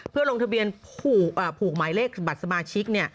เพื่อลงทะเบียนผูกหมายเลขบัตรสมาชิก